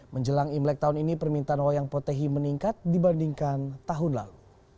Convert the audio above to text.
menjelang imlek tahun ini permintaan wayang potehi meningkat dibandingkan tahun lalu